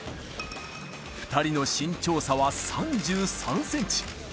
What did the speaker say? ２人の身長差は３３センチ。